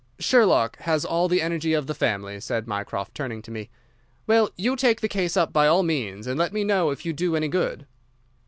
"Sherlock has all the energy of the family," said Mycroft, turning to me. "Well, you take the case up by all means, and let me know if you do any good."